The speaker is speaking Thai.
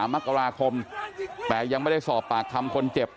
๒๓มสแปลกยังไม่ได้สอบปากทำคำคนเจ็บ